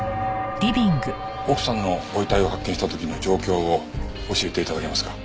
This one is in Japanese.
奥さんのご遺体を発見した時の状況を教えて頂けますか？